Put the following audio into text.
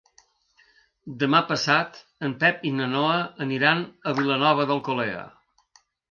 Demà passat en Pep i na Noa aniran a Vilanova d'Alcolea.